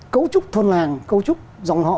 cấu trúc thôn làng cấu trúc dòng họ